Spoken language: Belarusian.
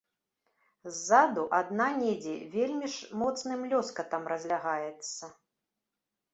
Ззаду адна недзе вельмі ж моцным лёскатам разлягаецца.